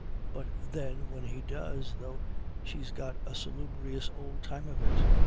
But then when he does, tho', she's got a salubrious old time of it.